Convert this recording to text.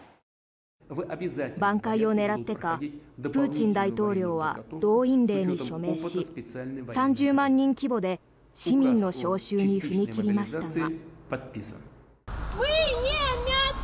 ばん回を狙ってかプーチン大統領は動員令に署名し３０万人規模で市民の招集に踏み切りましたが。